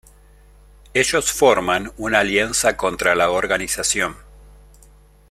Ellos forman una alianza contra la organización.